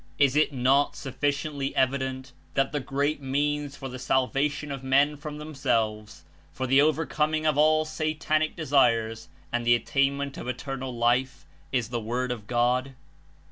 Is it not sufficiently evident that the great means for the salvation of men from themselves, for the overcoming of all satanIc desires and the attainment of Eternal Life, Is the Word of God?